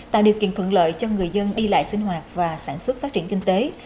tạo điều kiện thuận lợi cho người dân đi lại sinh hoạt và sản xuất phát triển kinh tế